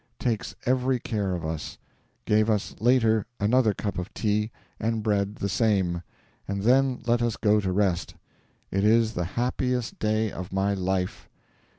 Takes EVERY care of us. Gave us later another cup of tea, and bread the same, and then let us go to rest. IT IS THE HAPPIEST DAY OF MY LIFE....